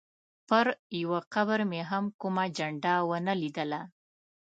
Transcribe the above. پر یوه قبر مې هم کومه جنډه ونه لیدله.